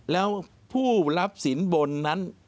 แล้วผู้รับสินบนนั้น